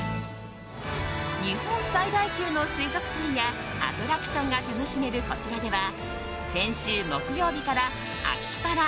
日本最大級の水族館やアトラクションが楽しめるこちらでは、先週木曜日から「アキパラ！